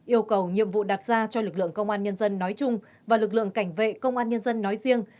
yêu cầu nhiệm vụ đặt ra cho lực lượng công an nhân dân nói chung và lực lượng cảnh vệ công an nhân dân nói riêng